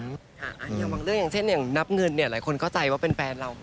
อย่างบางเรื่องอย่างเช่นอย่างนับเงินเนี่ยหลายคนเข้าใจว่าเป็นแฟนเรา